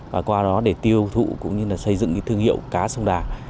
và qua đó để tiêu thụ cũng như là xây dựng cái thương hiệu cá sông đà